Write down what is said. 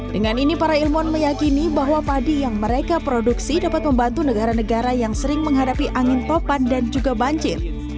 dengan ini para ilmuwan meyakini bahwa padi yang mereka produksi dapat membantu negara negara yang sering menghadapi angin topan dan juga banjir